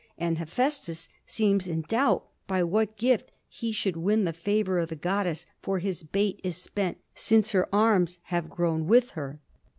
And Hephæstus seems in doubt by what gift he should win the favor of the goddess for his bait is spent since her arms have grown with her.